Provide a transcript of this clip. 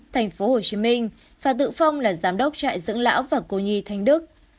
thành phố hồ chí minh và tự phong là giám đốc trại dưỡng lão và cô nhi thanh đức